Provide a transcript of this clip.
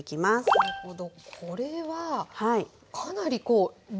なるほど。